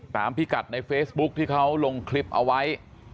พิกัดในเฟซบุ๊คที่เขาลงคลิปเอาไว้